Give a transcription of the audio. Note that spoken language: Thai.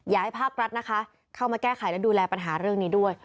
อยากให้ภาครัฐนะคะเข้ามาแก้ไขและดูแลปัญหาเรื่องนี้ด้วย